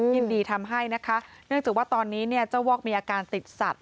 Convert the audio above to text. ยินดีทำให้นะคะเนื่องจากว่าตอนนี้เนี่ยเจ้าวอกมีอาการติดสัตว